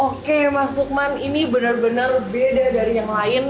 oke mas lukman ini benar benar beda dari yang lain